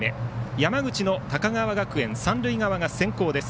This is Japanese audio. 山口の高川学園三塁側が先攻です。